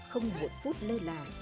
không một phút lơ là